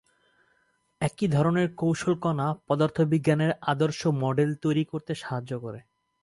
একই ধরনের কৌশল কণা পদার্থবিজ্ঞানের আদর্শ মডেল তৈরি করতে সাহায্য করে।